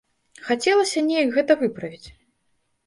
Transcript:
Хацелася неяк гэта выправіць.